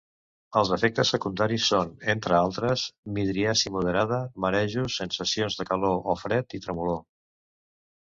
Els efectes secundaris són, entre d'altres, midriasi moderada, marejos, sensacions de calor o fred i tremolor.